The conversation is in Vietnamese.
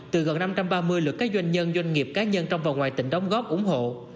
từ gần năm trăm ba mươi lượt các doanh nhân doanh nghiệp cá nhân trong và ngoài tỉnh đóng góp ủng hộ